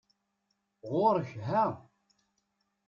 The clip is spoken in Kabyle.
Ɣuṛ-k ha!